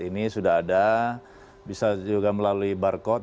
ini sudah ada bisa juga melalui barcode